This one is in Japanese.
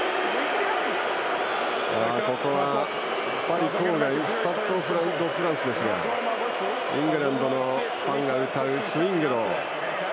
パリ郊外スタッド・ド・フランスですがイングランドのファンが歌う「スウィング・ロー」